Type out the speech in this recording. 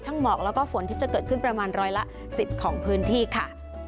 หมอกแล้วก็ฝนที่จะเกิดขึ้นประมาณร้อยละ๑๐ของพื้นที่ค่ะ